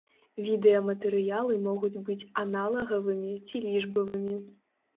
Відэаматэрыялы могуць быць аналагавымі ці лічбавымі.